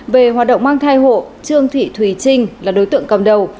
về hoạt động mang thai hộ trương thị thùy trinh là đối tượng cầm đầu